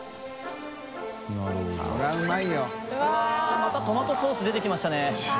またトマトソース出てきましたね横澤）